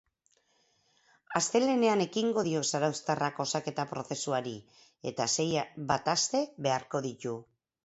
Astelehenean ekingo dio zarauztarrak osaketa prozesuari eta sei bat aste beharko ditu.